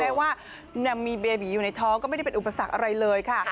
เรียกว่ามีเบบีอยู่ในท้องก็ไม่ได้เป็นอุปสรรคอะไรเลยค่ะ